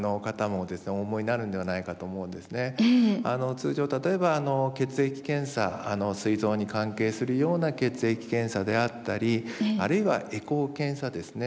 通常例えば血液検査すい臓に関係するような血液検査であったりあるいはエコー検査ですね。